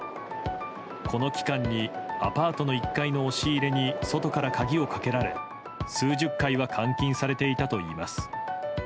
この期間にアパートの１階の押し入れに外から鍵をかけられ数十回は監禁されていたといいます。